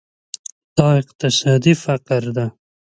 دا اقتصادي فقر ده.